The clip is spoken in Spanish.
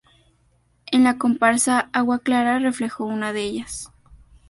En la comparsa Agua Clara reflejó una de ellas.